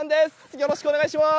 よろしくお願いします。